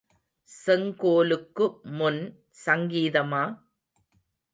செங்கோலுக்கு முன் சங்கீதமா?